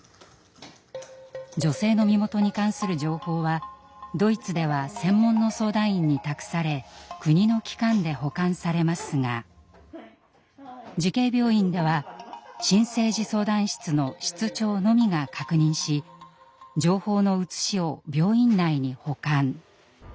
女性の身元に関する情報はドイツでは専門の相談員に託され国の機関で保管されますが慈恵病院では新生児相談室の室長のみが確認し情報の写しを病院内に保管。